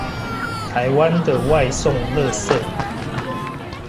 台灣的外送垃圾